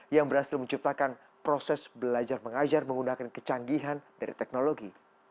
yang berhasil menciptakan proses belajar mengajar menggunakan kecanggihan dari teknologi